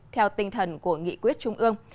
theo tinh thần của nghị quyết trung ương